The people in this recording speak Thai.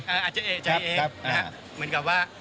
อาจจะเอกใจเองนะครับ